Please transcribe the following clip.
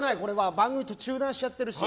番組を中断しちゃってるから。